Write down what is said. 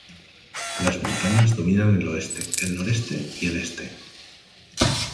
Las montañas dominan el oeste, el noreste y el este.